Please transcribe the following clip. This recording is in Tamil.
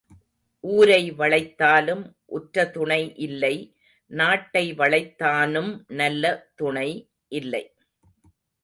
ஊரை வளைத்தாலும் உற்ற துணை இல்லை நாட்டை வளைத்தானும் நல்ல துணை இல்லை.